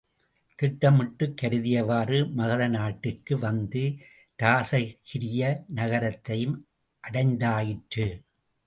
திட்டமிட்டுக் கருதியவாறு மகத நாட்டிற்கு வந்து இராசகிரிய நகரத்தையும் அடைந்தாயிற்று.